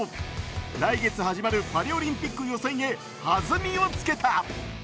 来月始まるパリオリンピックの予選へ弾みをつけた。